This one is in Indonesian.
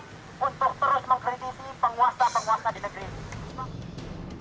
untuk terus mengkritisi penguasa penguasa di negeri ini